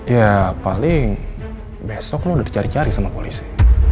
ya paling besok lah udah dicari cari sama polisi